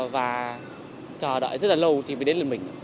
và chờ đợi rất là lâu thì mới đến là mình